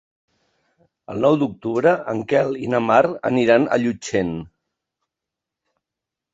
El nou d'octubre en Quel i na Mar aniran a Llutxent.